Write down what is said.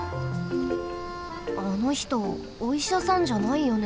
あのひとおいしゃさんじゃないよね。